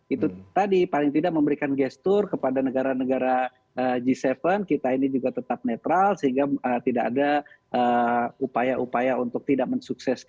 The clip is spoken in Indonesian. itu tadi paling tidak memberikan gestur kepada negara negara g tujuh kita ini juga tetap netral sehingga tidak ada upaya upaya untuk tidak mensukseskan